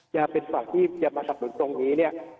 จะเป็นฝั่งที่จะมาสับหนุนตรงนี้เนี่ย